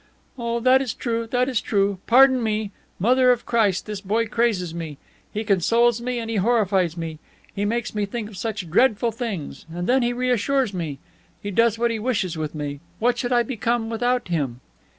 "Oh, that is true, that is true. Pardon me. Mother of Christ, this boy crazes me! He consoles me and he horrifies me. He makes me think of such dreadful things, and then he reassures me. He does what he wishes with me. What should I become without him?"